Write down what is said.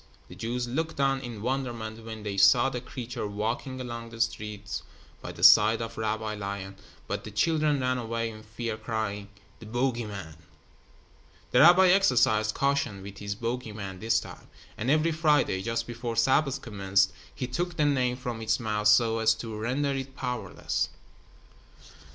The Jews looked on in wonderment when they saw the creature walking along the street by the side of Rabbi Lion, but the children ran away in fear, crying: "The bogey man." The rabbi exercised caution with his bogey man this time, and every Friday, just before Sabbath commenced, he took the name from its mouth so as to render it powerless.